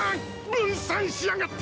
分散しやがった！